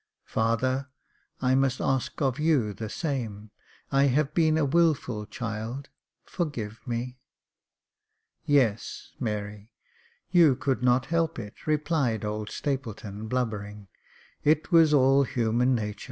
" Father, I must ask of you the same — I have been a wilful child, — forgive me !"" Yes, Mary ; you could not help it," replied old Stapleton, blubbering, *' it was all human natur."